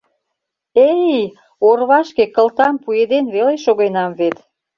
— Э-эй, орвашке кылтам пуэден веле шогенам вет.